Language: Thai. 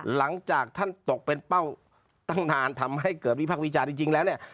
หลังจากท่านตกเป็นเป้าตั้งนานทำให้เกิดวิพากษ์วิจารณ์จริงแล้วเนี่ย